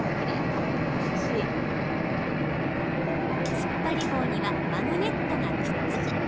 つっぱり棒にはマグネットがくっつく。